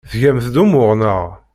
Tgamt-d umuɣ, naɣ?